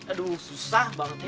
aduh susah banget